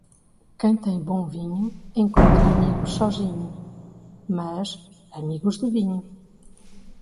Quem tem bom vinho encontra amigos sozinho, mas amigos de vinho.